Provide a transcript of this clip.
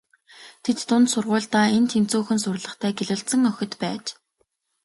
Тэд дунд сургуульдаа эн тэнцүүхэн сурлагатай гялалзсан охид байж.